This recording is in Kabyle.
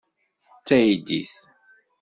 D taydit.